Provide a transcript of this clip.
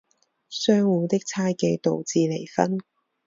相互的猜疑导致离婚。